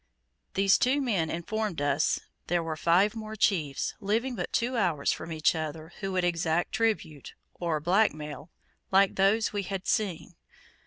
These two men informed us there were five more chiefs, living but two hours from each other, who would exact tribute, or black mail, like those we had seen.